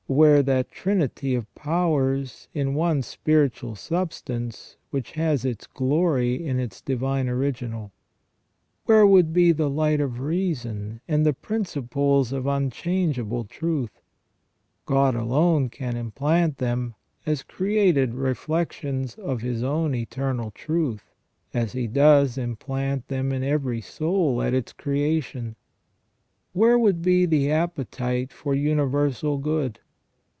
Where that trinity of powers in one spiritual substance which has its glory in its divine original ? Where would be the light of reason and the principles of unchangeable truth ? God alone can implant them, as created reflections of His own eternal truth, as He does implant them in every soul at its creation. Where would be the appetite for universal good